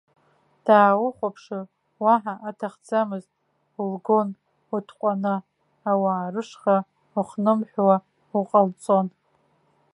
Дааухәаԥшыр, уаҳа аҭахӡамызт, улгон уҭҟәаны, ауаа рышҟа ухнымҳәуа уҟалҵон.